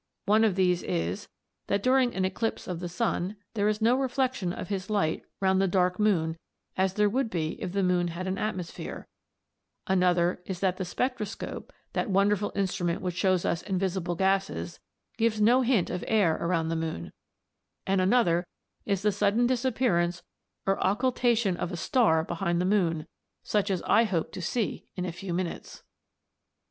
One of these is, that during an eclipse of the sun there is no reflection of his light round the dark moon as there would be if the moon had an atmosphere; another is that the spectroscope, that wonderful instrument which shows us invisible gases, gives no hint of air around the moon; and another is the sudden disappearance or occultation of a star behind the moon, such as I hope to see in a few minutes.